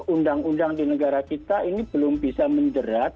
undang undang di negara kita ini belum bisa menjerat